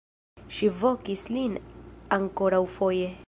Ŝi vokis lin ankoraŭfoje.